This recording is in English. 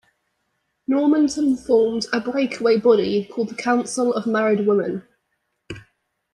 Normanton formed a breakaway body called the Council of Married Women.